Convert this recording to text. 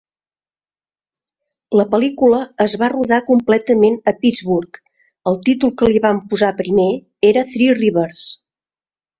La pel·lícula es va rodar completament a Pittsburgh; el títol que li van posar primer era "Three Rivers".